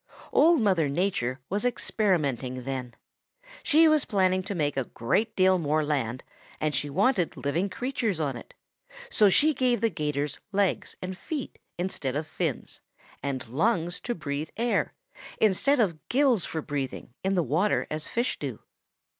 Old Mother Nature was experimenting then. She was planning to make a great deal more land, and she wanted living creatures on it, so she gave the 'Gators legs and feet instead of fins, and lungs to breathe air instead of gills for breathing in the water as fish do.